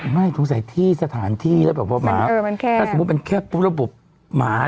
ไม่สงสัยที่สถานที่แล้วแบบว่าหมาถ้าสมมุติมันแค่ระบบหมา